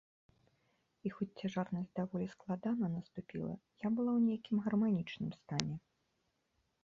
І хоць цяжарнасць даволі складана наступіла, я была ў нейкім гарманічным стане.